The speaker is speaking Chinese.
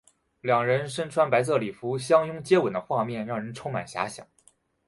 两人身穿白色礼服相拥接吻的画面让人充满遐想。